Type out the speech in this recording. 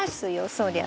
そりゃ。